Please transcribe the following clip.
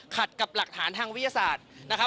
ขัดกับหลักฐานทางวิทยาศาสตร์